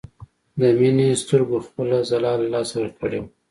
د مينې سترګو خپله ځلا له لاسه ورکړې وه